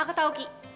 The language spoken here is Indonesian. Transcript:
aku tau ki